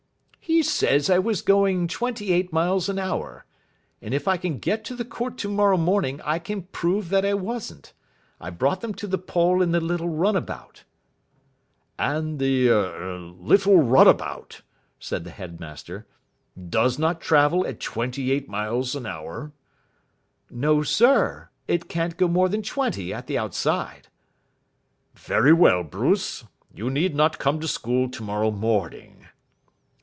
"He says I was going twenty eight miles an hour. And if I can get to the Court tomorrow morning I can prove that I wasn't. I brought them to the poll in the little runabout." "And the er little runabout," said the headmaster, "does not travel at twenty eight miles an hour?" "No, sir. It can't go more than twenty at the outside." "Very well, Bruce, you need not come to school tomorrow morning."